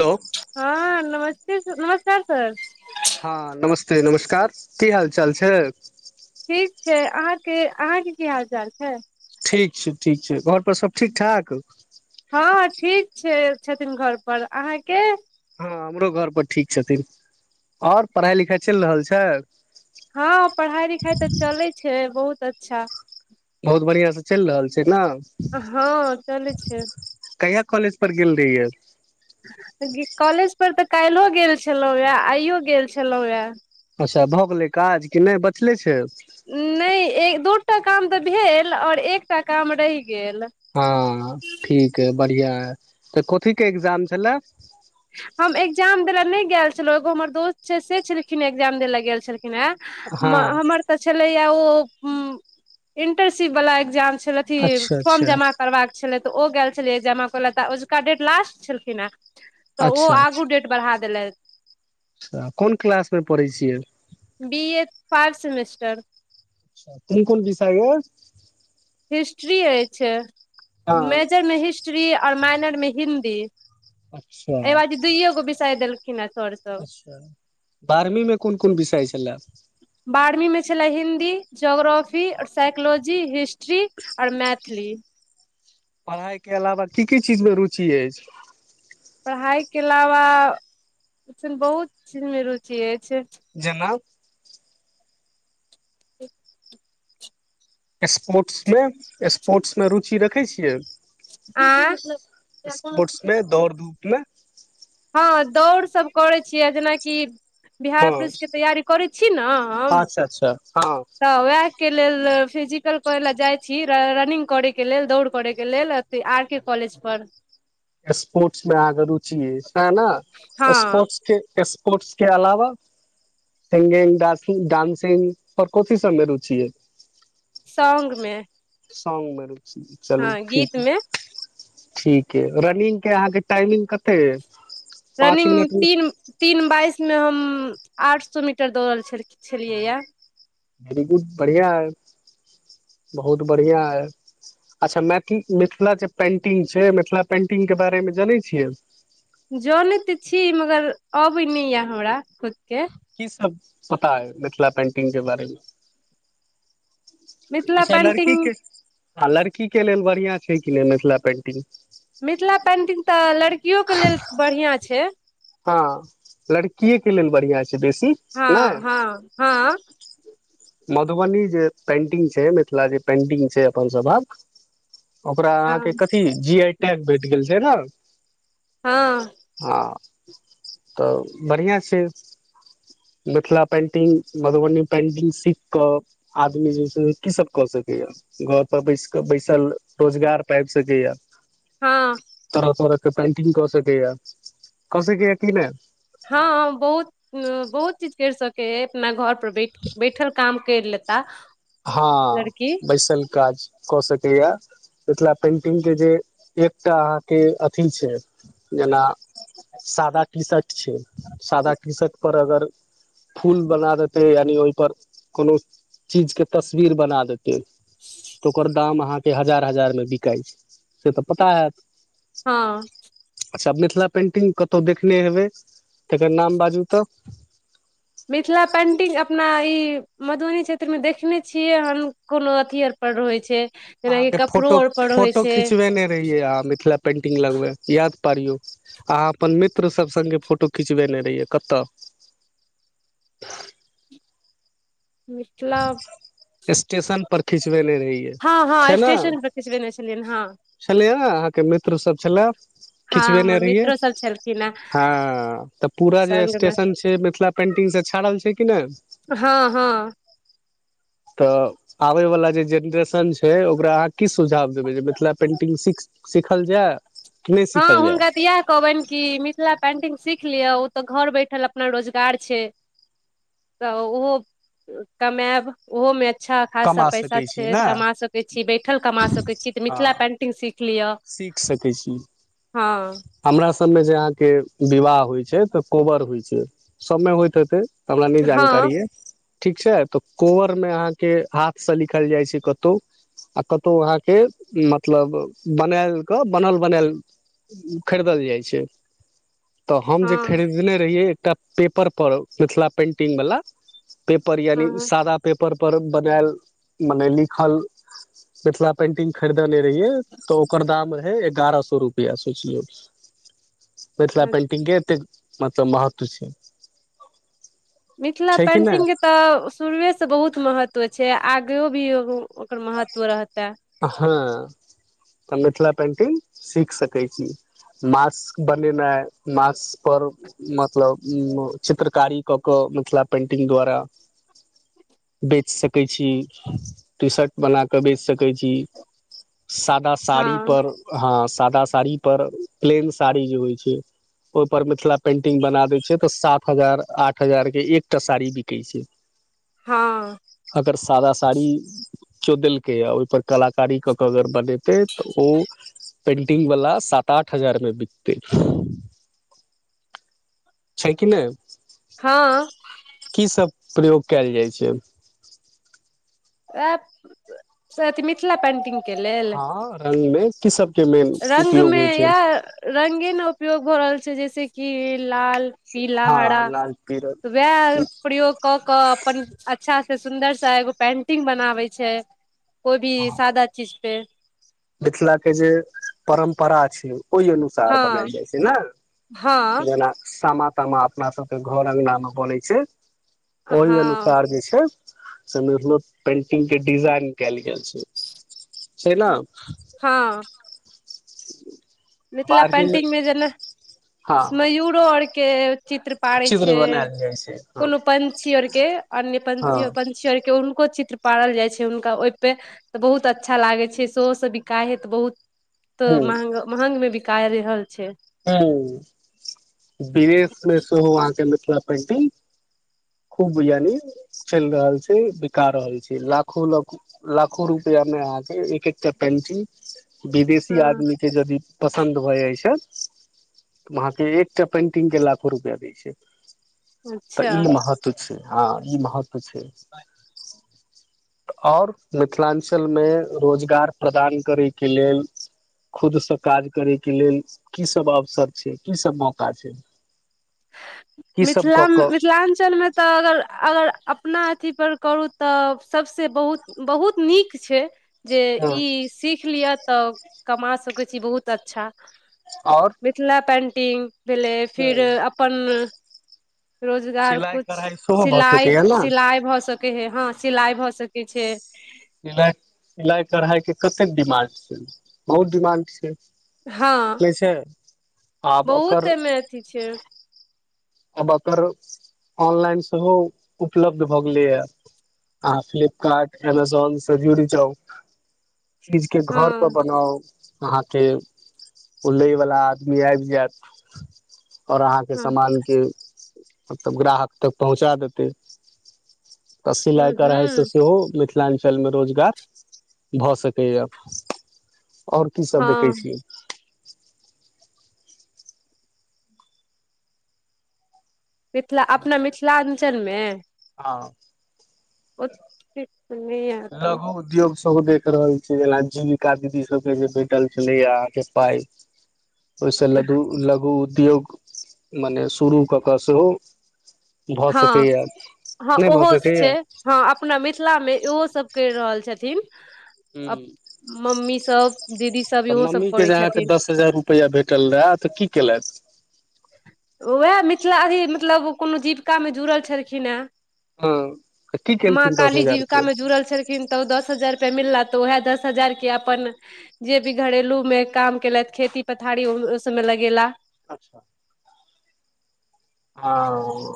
hello हँ नमस्ते नमस्कार सर हँ नमस्ते नमस्कार की हाल चाल छैक अहाँ के अहाँ के की हाल चाल छै ठीक छैक ठीक छैक घर पर सब ठीक ठाक हँ ठीक छै छथिन घर पर अहाँ के हँ हमरो घर पर ठीक छथिन आओर पढ़ाई लिखाइ चलि रहल छै हँ पढ़ाइ लिखाइ तऽ चलैत छै बहुत अच्छा बहुत बढ़िआं से चलि रहल छै न हँ चलै छै कहिया कॉलेज पर गेल रहियै कॉलेज पर तऽ काल्हियो गेल छलहुँ हए आइयो गेल छलहुँ ह अच्छा भऽ गेलै काज कि नइ बचलै छै एकटा काम तऽ भेल और एकटा काम रहि गेल हँ ठीक ये बढ़िया यै तऽ कथीक के एकग्जाम छलै देबई ल नइ गेल छलौ एगो हमर दोस्त छैय से छलखिन एग्जाम देले गेल छलखिन खिन हँ है हमर तऽ छलैया इंटरशिप वाला एगजाम छै अथि अच्छा फॉर्म अच्छा जमा करबाक छलै त ओ गेल छलियै जमा करैय ल अजुका डेट लास्ट छलखिन हँ तऽ ओ आगू डेट बढ़ा देलैथ त कोन क्लास मे पढ़ैत छियै बी ए फाइब सेमेस्टर कोन कोन विषय ये हिस्ट्री अछि हँ मेजर मे हिस्ट्री आओर माइनर मे हिन्दी अच्छा एइ बाजी दुइए गो बिषय देलखिन अ अच्छा बारहवी मे कोन कोन विषय छलए बारहवी मे छलै हिन्दी हिन्दी ज्योग्रफी आओर साइकोलॉजी हिस्ट्री आओर मैथिली पढ़ाइके अलावा की की चीजमे रुचि अछि पढ़ाई के अलावा ऐसन बहुत चीज मे रुचि अछि जेना स्पोर्ट्स मे स्पोर्ट्स मे रुचि रखै छियै आ स्पोर्ट्स मे दौड़ धूपमे हँ दौड़ सब करै छियै जेनाकि बिहार हँ पुलिस के तैयारी करै छी न हम अच्छा अच्छा हँ तऽ उएहके लेल फिजिकल करय ल जाइत छी रनिंग करैके लेल दौड़ करैके लेल अथ आर के कॉलेज पर स्पोर्ट्स मे आहाँ क रुचि अछि सेय न हँ स्पोर्टस के स्पोस्ट कोर्ट्स के अलावा सिंगिंग डासिंग डान्सिंग पर कथि सबमे रुचि अछि सौंन्गमे सौग मे रुचि छैय चलू ठीक गीत ये मे ठीक ह रनिंग के अहाँके टाइमिंग कते ये रनिंग तीन तीन बाइसमे हम आठ सौ मीटर दौड़ल छलखिन छलियैएा वरी गुड बढ़िया है बहुत बढ़िया य अच्छा मैथिल मिथिला जे पेन्टिंग छै मिथिला पेन्टिंगके बारेमे जनै छियै जानैत तऽ छी मगर अबै नइ य हमरा खुद के की सब पता यै मिथिला पेंटिंग के बारेमे मिथिला अच्छा पेंटिंग लड़कीके ह लड़कीके लेल बढ़िया छै कि नइ मिथिला पेन्टिंग मिथिला पेंटिंग तऽ लड़कियो के लेल बढ़िया छै हँ लड़किए के लेल बढ़िया छै बेसी नैय हँ हँ हँ मधुबनी जे पेन्टिंग छै मिथिला जे पेन्टिंग छै अपनसभक ओकरा अहाँके हँ कथी जी आई टैग भेट गेल छै न हँ हँ तऽ बढ़िआँ छै मिथिला पेंटिंग मधुबनी पेंटिंग सी क आदमी जे छै की सब कऽ सकैय घर पर बैस क बैसल रोजगार पै आइब सकैय य हँ पेंटिंग कऽ सकेय कऽ सकैय की नहि हँ बहुत बहुत चीज करि सकैत हइ अपना घर परर बैठ बैठल काम कर लेत हँ बैसल काज कऽ सकैया मिथिला पेंटिंग के जे एकटा अहाँके अथी छै जेना सादा टी शर्ट छै सादा टी शर्टपर अगर फूल बना देते यानि ओहिपर कोनो चीजके तस्वीर बना देतयओकर काम आह के हजार हजार मे बिकाइ छैक से तऽ पता होयत हँ अच्छा मिथिला पेंटिंग कतहु देखने हेबय तकर नाम बाजू तऽ मिथिला पेन्टिंग अपना ई मधुबनी क्षेत्रमे देखने छियैक हन कोनो अथी आर पर रहैत छैक अहाँके फोटो फोटो खिचबेने रहियै अहाँ मिथिला पेंटिंग लगबै या पियौ अहाँ अपन मित्रसभ सङ्गे फोटो खिचबेने रहियै कतय [inaudible] मिथिला स्टेशन पर खिंचबे रहिए हँ हँ स्टेशन पर खिचबेने छलियनि हँ छलैए अहाँके मित्र सब छलए हँ खिचबेने हमर रहियै मित्रो सब छलखिन हे हां तऽ पूरा जे संग मे स्टेशन छैइ मिथिला पेंटिंग से छाड़ल छैइ कि नई हां हां तऽ आबय वाला जे जेनरेशन छैक ओकरा अहाँ की सुझाव देबैक जे मिथिला पेंटिंग सीख सिखल जाए हँअ् हुनका तऽ एह कहबनि कि मिथिला पेंटिंग सीख लिअ ओ तऽ घर बैठल अपना रोजगार छैय तऽ ओहो कमायब ओहो मे अच्छा खासा कमा पैसा सकै छी छैइ ने कमा सकैत छी बैठल कमा सकैत छी तऽ हँ मिथिला पेंटिंग सीख लिअ सीख सकैत छी हां सबमें जे अहाँके विवाह होइत छैइ तऽ कोबर होइत छैइ सबमें होइत हेतै हमरा हँ नहिजानकारी अए ठीक छैइ तऽ कोबर मे अहाँके हाथसँ लिखल जाइ छैइ कतहु आ कतहु अहाँके मतलब बनायल कऽ बनल बनायल खरीदल जाइ छैइ तऽ हम जे हँ खरीदने रहियै एकटा पेपरपर मिथिला पेन्टिंग वला पेपर यानि हँ सादा पेप पर पर बनायल मने लिखल मिथिला पेंटिंग खरीदने रहिये तऽ ओकर दाम रहैइ एगारह सए रुपैआ सोचिलियौ मिथिला पेंटिंग के एतेक मतलब महत्व छैइ मिथिला पेन्टिंगके तऽ शुरुएसँ बहुत महत्व छैक आगे भी ओकर महत्व रहता हँ तऽ मिथिला पेंटिंग सीख सकैत छी मास्क बनेनाइ मास्क पर मतलब उ चित्रकारी कऽ कऽ मिथिला पेन्टिंग द्वारा बेच सकैत छी टी शर्ट बना क बेच सकैत छी सादा हँ साड़ी पर हँअ सादा साड़ी पर प्लेन साड़ी जे होइ छैइ ओपर मिथिला पेंटिंग बना दैत छैकतऽ सात हजार आठ हजार के एकटा साड़ी बिकैत छैक हां अगर सादा साड़ी केओ देलकै य ओई पर कलाकारी क क अगर बने तै तऽ ओ पेंटिंग वाला सात आठ हजार में बिकतै छैइ कि नई हां प्रयोग कयल जाइ छैइ एप से अथी मिथिला पेन्टिंगके लेल खन में की सब के मेन रंग उपयोग होइ में छै या रंगे न उपयोग भऽ रहल छै जैसे कि लाल पीला हँ हरा लाल पीरल वएह प्रयोग क कऽ अपन अच्छा से सुन्दर सा एगो पेंटिंग बनावै छैइ कोई भी सादा चीज पे मिथिला के जे परम्परा छैइ ओहि अनुसार हँ बनायल जाइ छैइ न हँ जेना सामा हमरा अपना सबके घर अङ्गना में बनैइ छैइ ओई हँ अनुसार जे छैइ से नव नव पेंटिंग के डिजाइन कयल गेल छैइ छैइ ना हां [inaudible] मिथिला बारही मे पेन्टिंग में जेना हँ मयूरो आर के चित्र पाड़ै चित्र छैइ बनायल जाइ छै हँ कोनो पंछी ओर के अन्य हँ पंछ पंछी ओर हूनको चित्र पारल जाइ छै हुनका ओहिपे तऽ बहुत अच्छा लागै छै सेहोसँ बिकाइ हइ तऽ बहुत तऽ महग महंग मे बिकाय रहल छै ह विदेशमे सेहो वहाँके मिथिला पेंटिंग खूब यानि चैल रहल छै बिका रहल छै लाखो लाख लाखो रुपआ आगे एक एकटा पेंटिंग विदेशी हँ आदमी के जदि पसन्द भऽ जाइ छै वहाँके एकटा पेन्टिंग के लाखो रुपआ दै छै अच्छा ह ई महत्व छै ओर मिथिलांचल में रोजगार प्रदान करयके लेल खुदसँ काज करैके लेल कीसभ अवसर छै कीसभ मौका छै की सब मिथिला कऽ कऽ मिथिलांचल मे तऽ अगर अगर अपना अथीप करू तऽ सभसँ बहुत बहुत नीक छै जे हँ ई सीख लिअ तऽ कमा सकैत छी बहुत अच्छा आओर मिथिला पेन्टिंग भेलै फिर हँ अपन रोजगार सिलाइ कुछ कढ़ाइ सेहो भऽ सिलाइ सकैया ने सिलाइ भऽ सके है हँ सिलाइ भऽ सकै छै सिलाइ सिलाइ कढ़ाइके डिमांड छै बहुत डिमांड छै हँ कै छै आब बहुत ओकर एहिमे अथी छै आब अकर ऑनलाइन सेहो उपलब्ध भऽ गेलैए हँ फ्लिपकार्ट एमेजोन सजूरी चउ चीज के हँ घर पर बनाउ अहाँके उलयवला आदमी आब जायत ओर अहाँके हँ समानके मत्लव ग्राहक तक पहुँचा देतै तऽ हूँ सिलाइ कराइ से हूँ सेहो मिथिल मिथिलांचल मे रोजगार भऽ सकैया ओर हँ कीसभ देखै छियै मिथिला अपना मिथिलाञ्चलमे हँ ओ लघु उद्योग सब देख रहल छै जना जीविका दीदी सबके जे भेटल छलै अहाँके पाइ ओहिसँ लघु लघु उद्योग मने शुरू कऽ कऽ सेहो भऽ हँ सकैया हँ नहि भऽ ओहो सकैया छै हँ अपना मिथिला मे ओहो सब कैर रहल छथिन हू मम्मी सब दीदी सब तऽ इहो सब मम्मीके करै जे अहाँके छथिन दस हजार रुपैआ भेटल रहए तऽ की केलथ उएह मिथिला अथी मतलब कोनो जीविकामे जुड़ल छलखिन हेँ हँ की माँ केलखिन दस काली हजार के जीविका मे जुड़ल छलखिन तऽ दस हजार मिला तऽ उएह दस हजार के अपन जे भी घरेलू में काम केलथ खेती पथारी समय लगैेला अच्छा हँ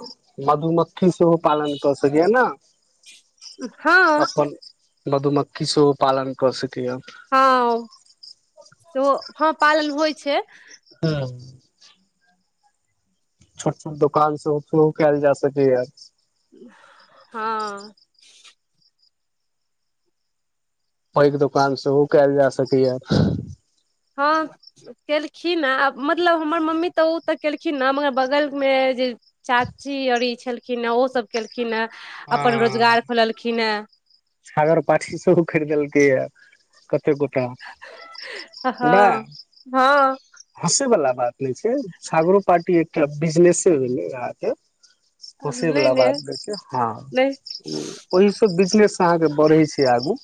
मधुमक्खी सेहो पालन कऽ सकियए ने हँ मधु मक्खी शो पालन कर सक हँ हँ सेहो पालन होइ छै हँ छोट छोट दोकान सेहो शुरू कयल जा सकै य हँ ओहिके दुकान से ओ कल जा सकै या हँ केलखिन ह आ मतलब हमर मम्मी तऽ ओ तऽ केलखिन ह मगर बगलमे जे चाची आरी छलखिन हे ओ सब केलखिन हे अपन रोजगार खोललखिन हे सागर पाठी सेहो ख देलकै य क हँ नहि हँ हँसे वालला बात नहि छै छागरो पारटी एकटा बिजनेस भेलहके अहाह के नहि खुशीवला नहि बात देखै छैिय नहि हँ ओहिसँ बिजनेस अहाँके बढ़ै छै आगू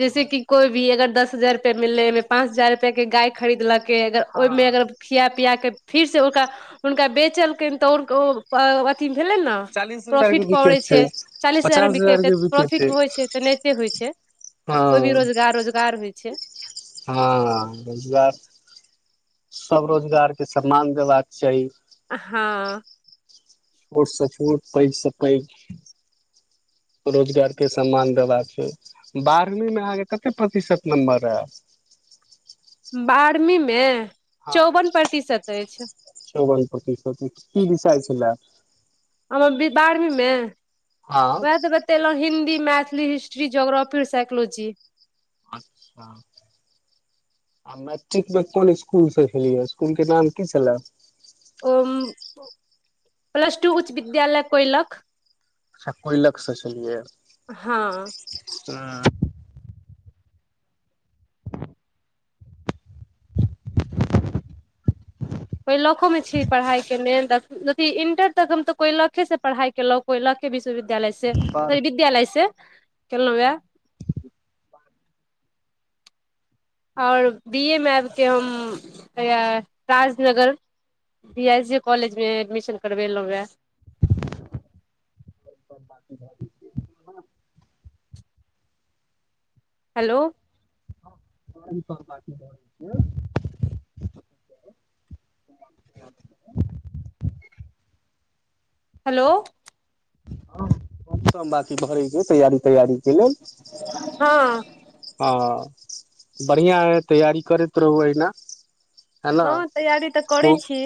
जैसे कि कोई भी अगर दस हजार रुप मिले ह मे पाँच हजार रुपआ के गाय खरीदलक के अगर ओहिमे हँ अगर खिया प केऽ फिरसँ हुनका बेचलकनि तऽ ओ अथिी भेले ने चालीस हजार के प्रॉफिट विकेट पड़ै छै चालीस हजार पचास मे बिकतै के विकेट प्रॉफिट होइ छै त नहि होइ छै कोइ हँ भी रोजगार रोजगार होइ छै हँ रोजगार सब रोजगार के सम्मान देबाक चाही हँ छोटसँ छोट पैघसँ पैघ रोजगारके सम्मान देबाक बारहवींमे अहाँके कते प्रतिशत नम्बर अयल [inaudible] [inaudible] बारहवींमे चौवन प्रतिशत अछि सती सती की बिसया छला हम बारहवीं मे हँ वएह तऽ बतेलहुं हिन्दी मै मैथिली हिस्ट्री जियोग्रफीओ साइकोलॉजी अच्छा आ मैट्रिकमे कोन इसकुल से छलियै इसकुलके नाम की छलए ओ प्लस टू उच्च विद्यालय कोयलक अच्छा पैयलकास चलियै हँ पैयक्लस कोहि लाखोमे छी पढ़ाइ केने अथी इंटर तक हम तऽ कोय लाखेसँ पढ़ाइ केलहुँ कोय लाख विश्वविद्यालय से पर स विद्यालय से केललहुँ वा आओर बी ए मे आबि कऽ हम राजनगर बी एस जे कॉलेजमे एडमिशन करबेलहुँ रहए [inaudible] हेलो हँ बै छै [inaudible] हेलो हँ कम कम बकी भरै छै तैयारी तैयारी कें लेल हँ ह हँ बढ़िआँ हइ तैयारी करैत रहू एहिहिना हँ तैयारी तऽ करै छी